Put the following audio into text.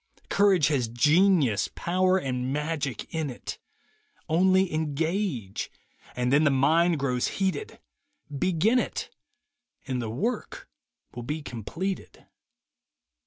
Courage has genius, power and magic in it ; Only engage, and then the mind grows heated — Begin it and the work will be completed.